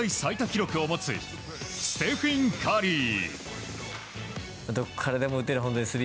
記録を持つステフィン・カリー。